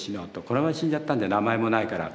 このまま死んじゃったんじゃ名前もないから。